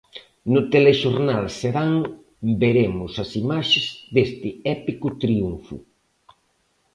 No Telexornal Serán veremos as imaxes deste épico triunfo.